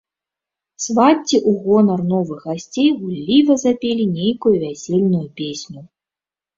Свацці ў гонар новых гасцей гулліва запелі нейкую вясельную песню.